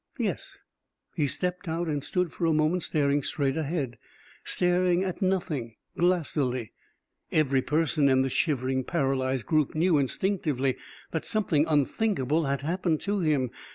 Yes, he stepped out and stood for a moment staring straight ahead, staring at nothing, glassily. Every person in the shivering, paralysed group knew instinctively that something unthinkable had happened to him.